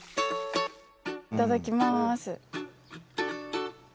いただきます。